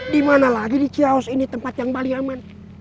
dimana lagi di kiosk ini tempat yang baling aman